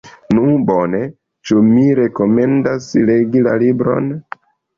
Nu bone, ĉu mi rekomendas legi la libron?